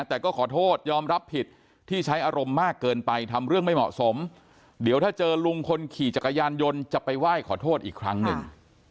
แต่ก็ขอโทษยอมรับผิดที่ใช้อารมณ์มากเกินไปทำเรื่องไม่เหมาะสมเดี๋ยวถ้าเจอลุงคนขี่จักรยานยนต์จะไปไหว้ขอโทษอีกครั้งหนึ่ง